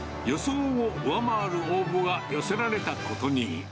予想を上回る応募が寄せられたことに。